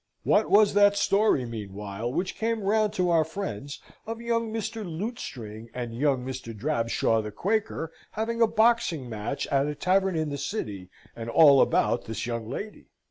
What was that story meanwhile which came round to our friends, of young Mr. Lutestring and young Mr. Drabshaw the Quaker having a boxing match at a tavern in the city, and all about this young lady?